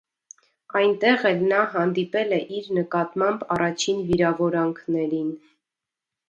Այնտեղ էլ նա հանդիպել է իր նկատմամբ առաջին վիրավորանքներին։